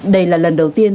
đây là lần đầu tiên